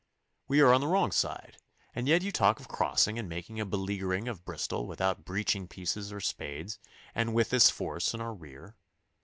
We are on the wrong side, and yet you talk of crossing and making a beleaguering of Bristol without breaching pieces or spades, and with this force in our rear.